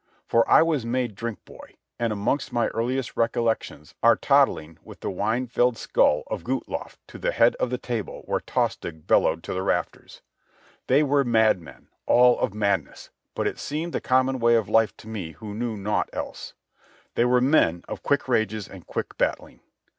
For I was made drink boy, and amongst my earliest recollections are toddling with the wine filled skull of Guthlaf to the head of the table where Tostig bellowed to the rafters. They were madmen, all of madness, but it seemed the common way of life to me who knew naught else. They were men of quick rages and quick battling.